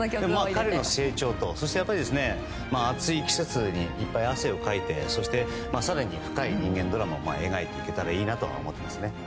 彼の成長と暑い季節にいっぱい汗をかいてそして、更に深い人間ドラマを描いていけたらいいなと思ってますね。